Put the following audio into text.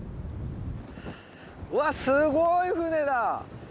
わあすごい船だ。